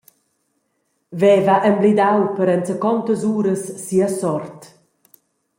Veva emblidau per enzacontas uras sia sort.